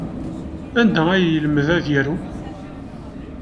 Anda ay yelmed ad yaru?